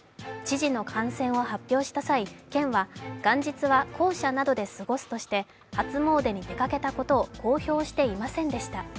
知事の感染を発表した際、県は元日は公舎などで過ごすとして初詣に出かけたことを公表していませんでした。